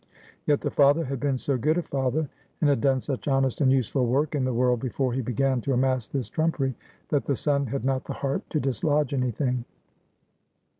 Yet the father had been so good a father, and had done such honest and useful work in the world before he began to amass this trumpery, that the son had not the heart to dislodge anything.